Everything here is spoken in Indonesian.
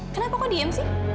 kenapa kau diem sih